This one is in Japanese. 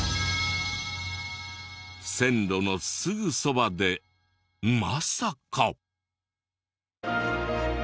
線路のすぐそばでまさか！